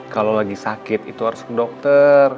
kalau lagi sakit itu harus ke dokter